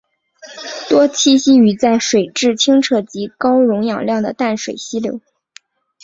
多栖息于在水质清澈及高溶氧量的淡水溪流。